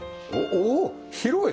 おおっ広い！